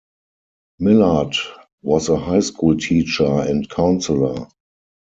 Millard was a high school teacher and counsellor.